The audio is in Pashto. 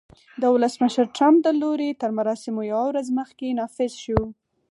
د ولسمشر ټرمپ د لوړې تر مراسمو یوه ورځ مخکې نافذ شو